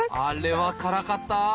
あれは辛かった。